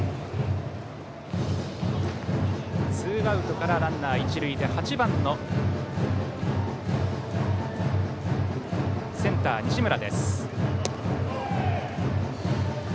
ツーアウトからランナー、一塁で８番のセンター、西村。